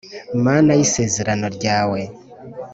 mana y'isezerano ryawe